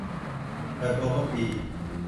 เปิดตัวเมื่อปี